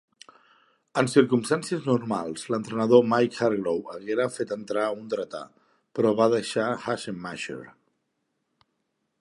En circumstàncies normals, l'entrenador Mike Hargrove haguera fet entrar un dretà, però va deixar Assenmacher.